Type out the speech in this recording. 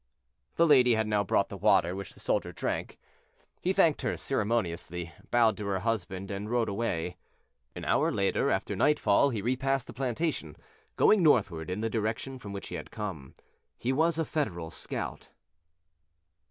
The lady had now brought the water, which the soldier drank. He thanked her ceremoniously, bowed to her husband and rode away. An hour later, after nightfall, he repassed the plantation, going northward in the direction from which he had come. He was a Federal scout.